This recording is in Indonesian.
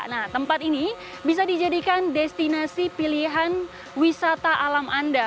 nah tempat ini bisa dijadikan destinasi pilihan wisata alam anda